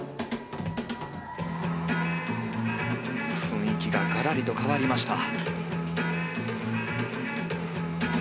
雰囲気ががらりと変わりました。